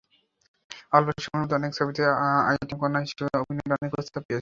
অল্প সময়ের মধ্যে অনেক ছবিতে আইটেম কন্যা হিসেবে অভিনয়ের অনেক প্রস্তাব পেয়েছি।